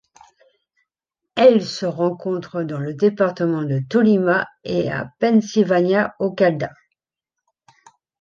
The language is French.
Elle se rencontre dans le département de Tolima et à Pensilvania au Caldas.